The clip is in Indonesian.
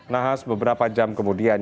nahas beberapa jam kemudian